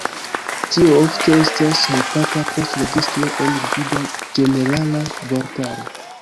Tio ofte estas helpata post registro en gvida ĝenerala vortaro.